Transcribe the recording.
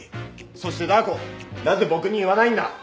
そしてダー子なぜ僕に言わないんだ？